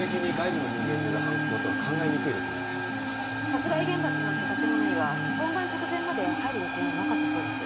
殺害現場となった建物には本番直前まで入る予定はなかったそうです。